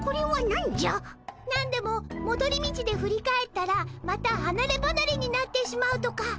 なんでももどり道で振り返ったらまたはなればなれになってしまうとか。